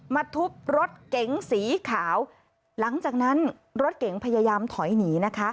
ทุบรถเก๋งสีขาวหลังจากนั้นรถเก๋งพยายามถอยหนีนะคะ